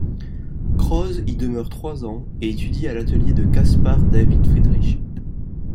Krause y demeure trois ans et étudie à l'atelier de Caspar David Friedrich.